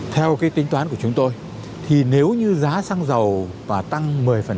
theo tính toán của chúng tôi nếu giá xăng dầu tăng một mươi